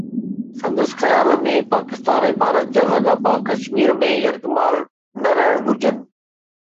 سندس خيال ۾ پاڪستان ۽ ڀارت جا لاڳاپا ڪشمير ۾ يرغمال نه رهڻ گهرجن.